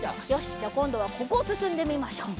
じゃあこんどはここをすすんでみましょう。